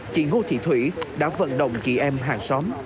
chị ngô thị thủy đã vận động chị em hàng xóm